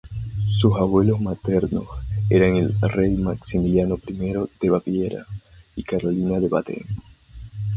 Sus abuelos maternos eran el rey Maximiliano I de Baviera y Carolina de Baden.